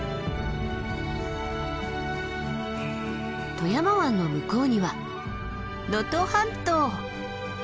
富山湾の向こうには能登半島！